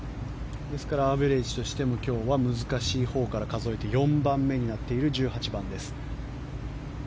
アベレージとしても今日は難しいほうから数えて４番目になっている１８番です。